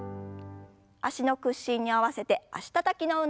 脚の屈伸に合わせて脚たたきの運動です。